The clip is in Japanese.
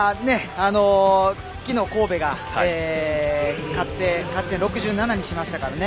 きのう神戸が勝って勝ち点６７にしましたからね。